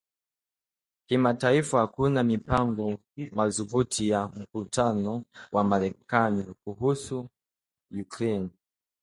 Kimataifa hakuna mipango madhubuti ya mkutano wa Marekani kuhusu Ukraine